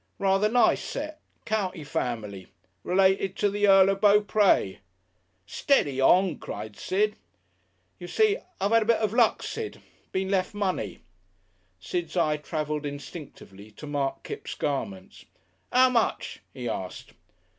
Rather'r nice set. County family. Related to the Earl of Beaupres " "Steady on!" cried Sid. "You see, I've 'ad a bit of luck, Sid. Been lef' money." Sid's eye travelled instinctively to mark Kipps' garments. "How much?" he asked.